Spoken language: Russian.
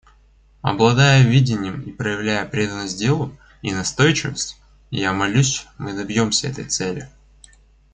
Обладая видением и проявляя преданность делу и настойчивость, я молюсь, мы добьемся этой цели.